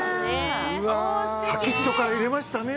先っちょから入れましたね。